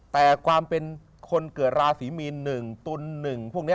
แต่ความเป็นคนเกิดราศรีมีน๑ตุน๑